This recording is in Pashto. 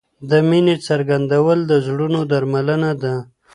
د مینې څرګندول د زړونو درملنه ده.